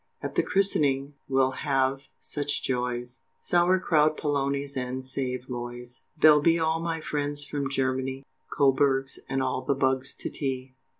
At the christening we'll have such joys, Sour crout, palonies, and saveloys, There'll be all my friends from Germany, Coburghs and all the bugs to tea.